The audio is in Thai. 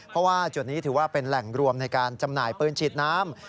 เพราะว่าจุดนี้ถือว่าเป็นแหล่งรวมในการจำหน่ายปืนฉีดน้ำ